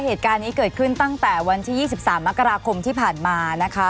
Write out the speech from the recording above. เหตุการณ์นี้เกิดขึ้นตั้งแต่วันที่๒๓มกราคมที่ผ่านมานะคะ